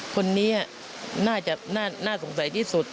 คนนี้น่าจะน่าสงสัยที่สุด